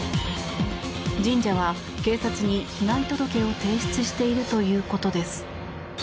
神社は警察に被害届を提出しているということです。